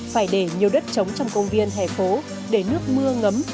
phải để nhiều đất trống trong công viên hẻ phố để nước mưa ngấm